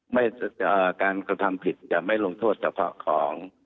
ไม่ใช่อ่าการกระทำผิดจะไม่ลงโทษเฉพาะของ